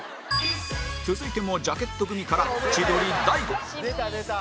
続いてもジャケット組から千鳥大悟